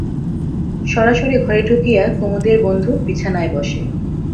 সরাসরি ঘরে ঢুকিয়া কুমুদের বন্ধু বিছানায় বসে।